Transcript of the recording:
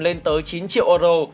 lên tới chín triệu euro